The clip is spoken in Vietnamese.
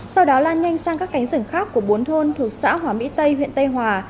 sau đó lan nhanh sang các cánh rừng khác của bốn thôn thuộc xã hòa mỹ tây huyện tây hòa